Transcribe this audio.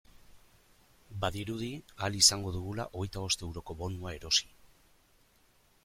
Badirudi ahal izango dugula hogeita bost euroko bonua erosi.